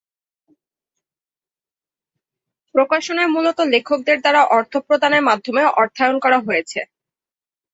প্রকাশনায় মূলত লেখকদের দ্বারা অর্থ প্রদানের মাধ্যমে অর্থায়ন করা হয়েছে।